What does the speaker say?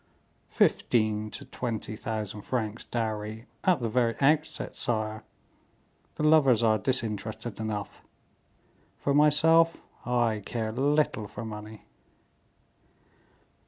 "Fifteen to twenty thousand francs dowry at the very outset, sire; the lovers are disinterested enough; for myself, I care little for money."